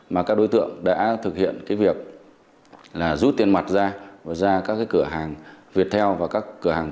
mà các đối tượng đã thực hiện việc rút tiền mặt ra ra các cửa hàng việt theo và các cửa hàng